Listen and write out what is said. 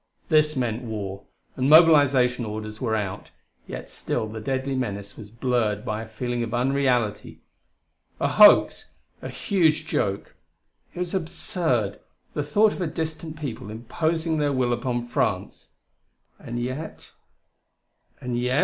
This meant war; and mobilization orders were out; yet still the deadly menace was blurred by a feeling of unreality. A hoax! a huge joke! it was absurd, the thought of a distant people imposing their will upon France! And yet ... and yet....